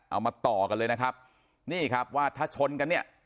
เอามาต่อกันเลยนะครับนี่ครับว่าถ้าชนกันเนี่ย